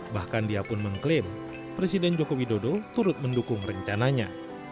bahkan dia pun mengklaim presiden joko widodo turut mendukung rencananya